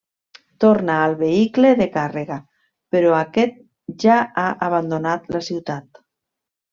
Torna al vehicle de càrrega, però aquest ja ha abandonat la ciutat.